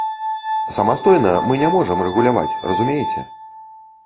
Самастойна мы не можам рэгуляваць, разумееце?